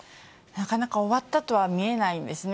なかなか終わったとは見えないんですね。